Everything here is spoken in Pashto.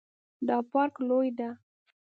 دا پارک لوی ده